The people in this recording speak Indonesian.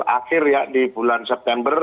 akhir ya di bulan september